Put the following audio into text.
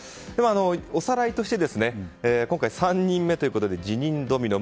おさらいとして今回３人目ということで辞任ドミノ。